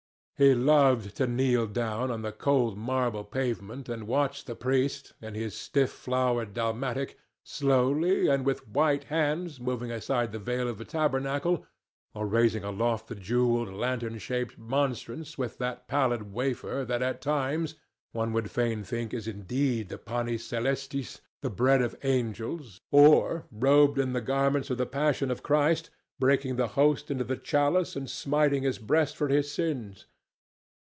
He loved to kneel down on the cold marble pavement and watch the priest, in his stiff flowered dalmatic, slowly and with white hands moving aside the veil of the tabernacle, or raising aloft the jewelled, lantern shaped monstrance with that pallid wafer that at times, one would fain think, is indeed the "panis cælestis," the bread of angels, or, robed in the garments of the Passion of Christ, breaking the Host into the chalice and smiting his breast for his sins.